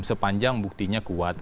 sepanjang buktinya kuat